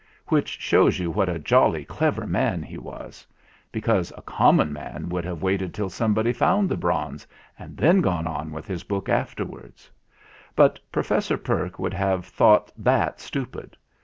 Which shows you what a jolly clever man he was; because a common man would have waited till somebody found the bronze and then gone on with his book afterwards; but Professor Perke would have thought that stupid.